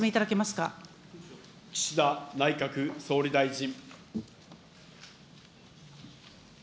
岸田内閣総理大臣。